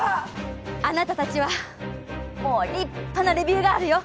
あなたたちはもう立派なレビューガールよ。